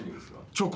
チョコ。